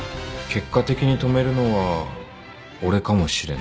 結果的に止めるのは俺かもしれんね